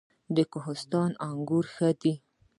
د کوهستان انګور ښه دي